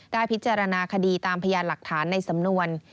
พิจารณาคดีตามพยานหลักฐานในสำนวน